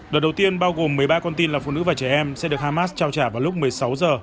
đợt đầu tiên bao gồm một mươi ba con tin là phụ nữ và trẻ em sẽ được hamas trao trả vào lúc một mươi sáu tháng một mươi